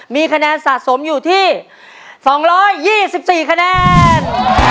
มีคะแนนสะสมอยู่ที่๒๒๔คะแนน